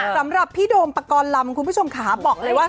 สำหรับพี่โดมปกรณ์ลำคุณผู้ชมขาบอกเลยว่า